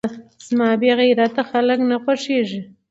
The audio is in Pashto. زما بې غيرته خلک نه خوښېږي .